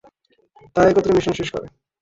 তারা একত্রে মিশন শেষ করে।